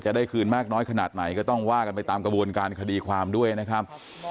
ได้คืนมากน้อยขนาดไหนก็ต้องว่ากันไปตามกระบวนการคดีความด้วยนะครับ